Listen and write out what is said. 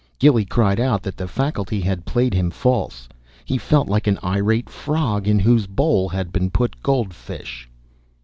Gilly cried out that the faculty had played him false. He felt like an irate frog in whose bowl has been put goldfish.